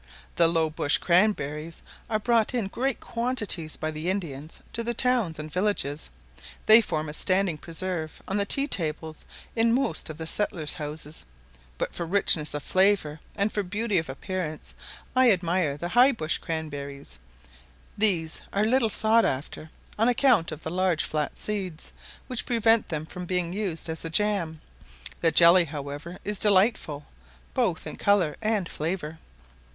The low bush cranberries are brought in great quantities by the Indians to the towns and villages. They form a standing preserve on the tea tables in most of the settlers' houses; but for richness of flavour, and for beauty of appearance, I admire the high bush cranberries; these are little sought after, on account of the large flat seeds, which prevent them from being used as a jam: the jelly, however, is delightful, both in colour and flavour.